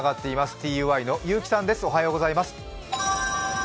ＴＵＹの結城さんです。